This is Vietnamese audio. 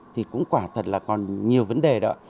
thì cũng quả thật là còn nhiều vấn đề đó